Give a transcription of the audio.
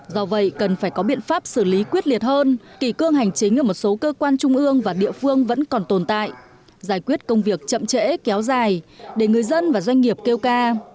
do vậy cần phải có biện pháp xử lý quyết liệt hơn kỳ cương hành chính ở một số cơ quan trung ương và địa phương vẫn còn tồn tại giải quyết công việc chậm trễ kéo dài để người dân và doanh nghiệp kêu ca